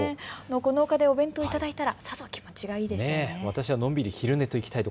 この丘でお弁当を頂いたら気持ちがいいでしょうね。